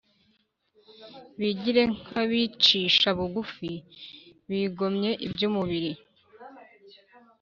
bigire nk’abicisha bugufi bigomwe iby’umubiri